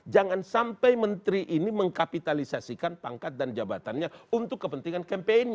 jangan sampai menteri ini mengkapitalisasikan pangkat dan jabatannya untuk kepentingan campaign nya